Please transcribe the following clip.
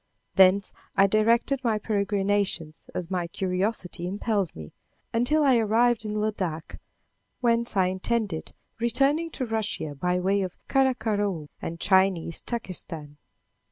Thence I directed my peregrinations as my curiosity impelled me, until I arrived in Ladak, whence I intended returning to Russia by way of Karakoroum and Chinese Turkestan.